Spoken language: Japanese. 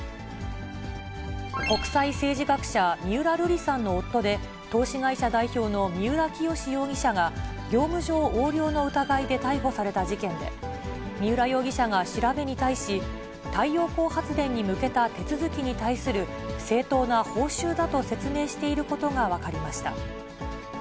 国際政治学者、三浦瑠麗さんの夫で、投資会社代表の三浦清志容疑者が、業務上横領の疑いで逮捕された事件で、三浦容疑者が調べに対し、太陽光発電に向けた手続きに対する正当な報酬だと説明していることが分かりました。